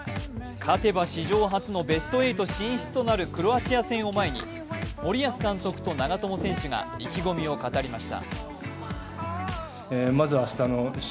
勝てば史上初のベスト８進出となるクロアチア戦を前に森保監督と長友選手が意気込みを語りました。